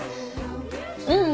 うん。